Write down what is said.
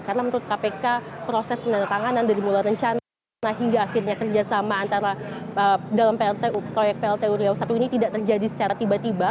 karena menurut kpk proses peneretanganan dari mulai rencana hingga akhirnya kerjasama antara dalam proyek plt uriau satu ini tidak terjadi secara tiba tiba